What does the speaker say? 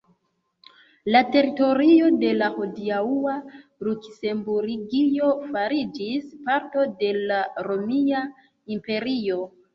La teritorio de la hodiaŭa Luksemburgio fariĝis parto de la romia imperio.